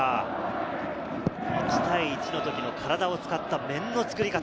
１対１の時の体を使った面の作り方。